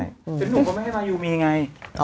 หนุ่มก็ไม่ให้มาอยู่มีไง